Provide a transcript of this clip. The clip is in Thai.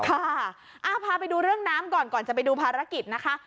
พาไปดูเรื่องน้ำก่อนก่อนจะไปดูภารกิจนะคะ